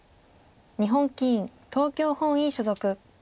日本棋院東京本院所属。